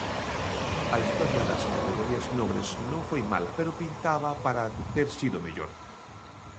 A historia das categorías nobres non foi mala, pero pintaba para ter sido mellor.